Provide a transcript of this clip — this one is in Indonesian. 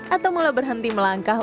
atau mulai berhenti melangkah